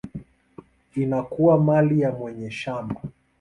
inakuwa mali ya mwenye shamba.